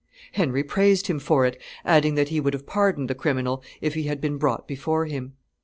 Henry praised him for it, adding that he would have pardoned the criminal if he had been brought before him.